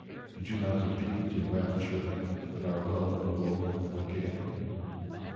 Did you not repeat in rapture that our love awoke again ?